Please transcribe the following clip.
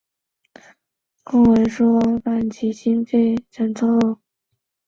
几经各项公文书往返及经费筹凑。